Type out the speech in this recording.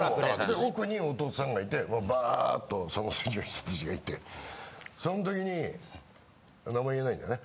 で奥に弟さんがいてバーッとその筋の人達がいてそん時に何も言えないんだよね